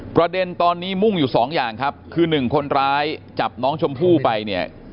ประเด็นตอนนี้มุ่งอยู่สองอย่างครับคือหนึ่งคนร้ายจับน้องชมพู่ไปเนี่ย